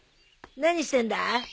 何してんだ？